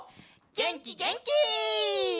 げんきげんき！